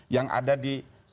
yang ada di